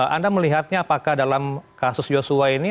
anda melihatnya apakah dalam kasus yosua ini